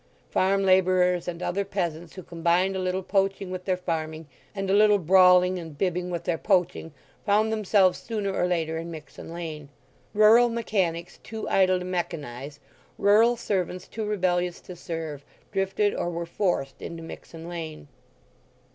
Farm labourers and other peasants, who combined a little poaching with their farming, and a little brawling and bibbing with their poaching, found themselves sooner or later in Mixen Lane. Rural mechanics too idle to mechanize, rural servants too rebellious to serve, drifted or were forced into Mixen Lane.